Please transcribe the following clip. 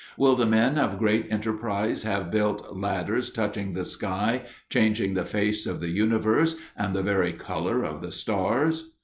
Will the men of great enterprise have built "ladders touching the sky, changing the face of the universe and the very color of the stars?"